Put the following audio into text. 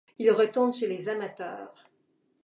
Il retourne chez les amateurs.